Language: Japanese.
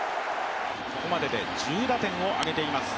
ここまでで１０打点をあげています